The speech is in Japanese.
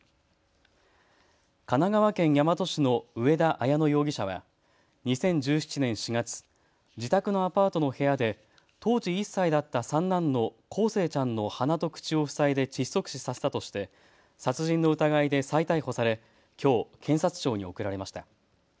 神奈川県大和市の上田綾乃容疑者は２０１７年４月、自宅のアパートの部屋で当時１歳だった三男の康生ちゃんの鼻と口を塞いで窒息死させたとして殺人の疑いで再逮捕されきょう検察庁に送られました。